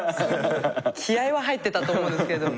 気合は入ってたと思うんですけど。